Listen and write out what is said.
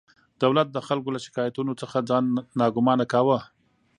دولت د خلکو له شکایتونو څخه ځان ناګمانه کاوه.